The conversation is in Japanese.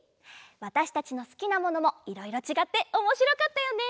わたしたちのすきなものもいろいろちがっておもしろかったよね。